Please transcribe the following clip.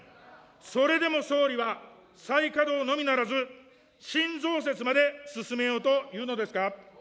それでも総理は、再稼働のみならず、新増設まで進めようというのですか。